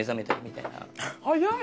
早い。